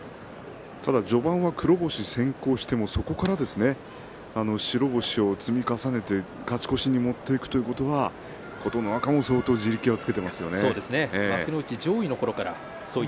序盤で黒星先行してからもそこから白星を積み上げて勝ち越しに持っていくということで琴ノ若も地力をつけていますね。